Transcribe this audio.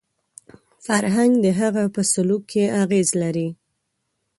فرهنګ د هغه په سلوک کې اغېز لري